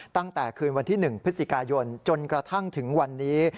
ตั้งแต่คืนวันที่๑พฤศจิกายนจนกระทั่งถึงวันนี้